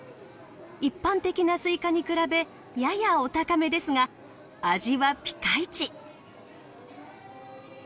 一般的なスイカに比べややお高めですが味はピカイチ！